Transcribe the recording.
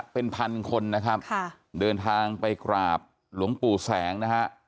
เป็นพันคนนะครับเดินทางไปกราบหลวงปู่แสงนะฮะ